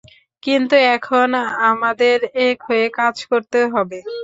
কিন্তু এখন আমাদের এক হয়ে কাজ করতে হবে।